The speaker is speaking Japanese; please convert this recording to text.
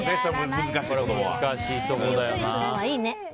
難しいところだよな。